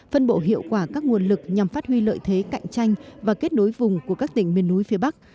phân bộ hiệu quả các nguồn lực nhằm phát huy lợi thế cạnh tranh và kết nối vùng của các tỉnh miền núi phía bắc